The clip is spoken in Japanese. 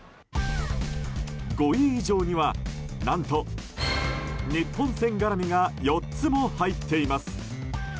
５位以上には何と、日本戦絡みが４つも入っています。